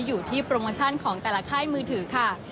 อยู่ที่โปรโมชั่นของแต่ละค่ายมือถือค่ะ